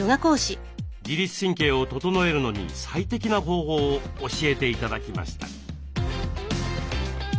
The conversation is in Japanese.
自律神経を整えるのに最適な方法を教えて頂きました。